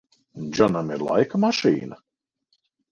Džonam ir laika mašīna?